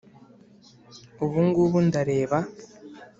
ubu ngubu ndareba